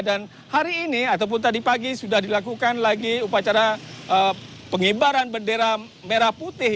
dan hari ini ataupun tadi pagi sudah dilakukan lagi upacara pengibaran bendera merah putih